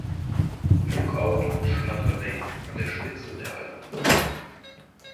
Lookout und Schlatter Lake an der Spitze der Halbinsel.